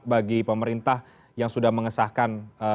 bagi pemerintah yang sudah mengesahkan